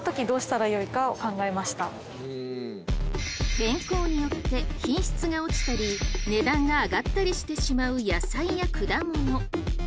天候によって品質が落ちたり値段が上がったりしてしまう野菜や果物。